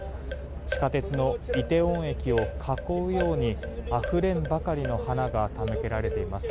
地下鉄のイテウォン駅を囲うようにあふれんばかりの花が手向けられています。